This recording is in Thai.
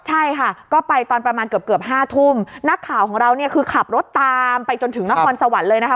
ใช่ค่ะก็ไปตอนประมาณเกือบเกือบห้าทุ่มนักข่าวของเราเนี่ยคือขับรถตามไปจนถึงนครสวรรค์เลยนะคะ